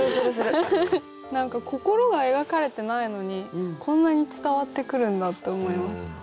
何か心が描かれてないのにこんなに伝わってくるんだって思います。